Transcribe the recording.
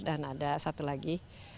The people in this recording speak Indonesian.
dan ada satu lagi